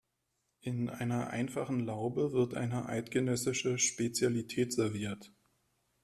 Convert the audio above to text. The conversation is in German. In einer einfachen Laube wird eine eidgenössische Spezialität serviert.